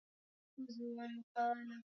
na mchambuzi wa masuala ya siasa nchini kenya